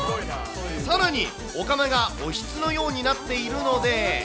さらにお釜がおひつのようになっているので。